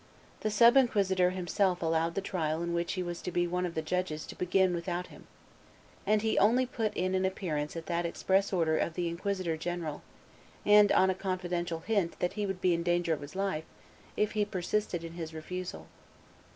The sub inquisitor himself allowed the trial in which he was to be one of the judges to begin without him; and he only put in an appearance at the express order of the inquisitor general, and on a confidential hint that he would be in danger of his life if he persisted in his refusal.